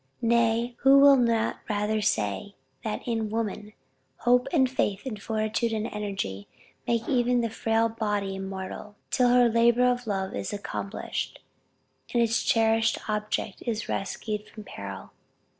Nay, who will not rather say, that in woman, hope and faith, and fortitude and energy, make even the frail body immortal, till her labor of love is accomplished, and its cherished object is rescued from peril?